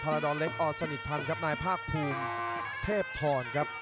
พาระดอนเล็กอดสนิทพันครับนายภาคภูมิเทพธร